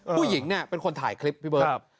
ผู้หญิงเนี่ยเป็นคนถ่ายคลิปพี่เบิร์ต